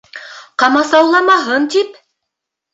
Ҡамасауламаһын тип!